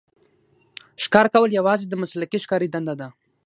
ښکار کول یوازې د مسلکي ښکاري دنده ده.